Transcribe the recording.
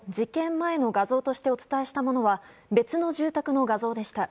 前の画像としてお伝えしたものは別の住宅の画像でした。